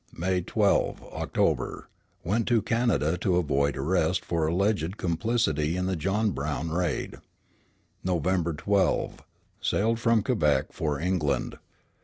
May 12 [October]. Went to Canada to avoid arrest for alleged complicity in the John Brown raid. November 12. Sailed from Quebec for England.